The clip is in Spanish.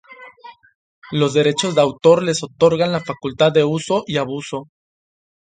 los derechos de autor les otorgan la facultad de uso y abuso